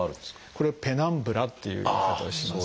これは「ペナンブラ」っていう言い方をします。